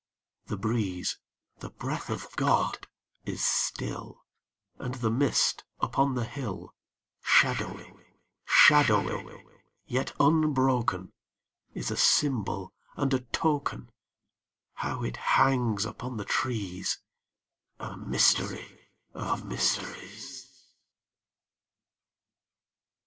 The breeze the breath of God is still And the mist upon the hill Shadowy shadowy yet unbroken, Is a symbol and a token How it hangs upon the trees, A mystery of mysteries!